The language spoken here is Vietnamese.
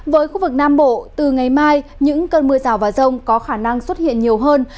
với khu vực nam bộ từ ngày mai những cơn mưa rào và rông có khả năng xuất hiện nhiều hơn